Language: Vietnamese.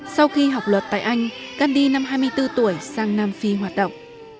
sau khi học luật tại anh gandhi năm hai mươi bốn tuổi sang nam phi hoạt động